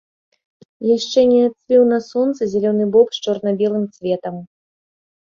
Яшчэ не адцвіў на сонцы зялёны боб з чорна-белым цветам.